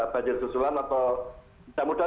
banjir susulan atau mudah mudahan